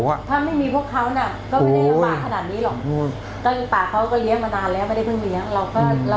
ถ้าไม่มีพวกเขาก็ไม่ได้ระบาดขนาดนี้หรอก